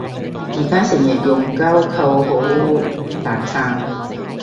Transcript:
而家成日用膠扣好難拆